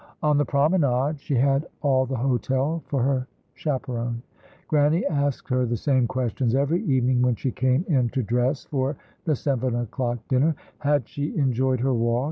On the promenade she had all the hotel for her chaperon. Grannie asked her the same questions every evening when she came in to dress for the seven o'clock dinner. Had she enjoyed her walk?